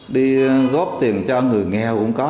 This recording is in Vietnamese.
đi góp tiền cho người nghèo cũng có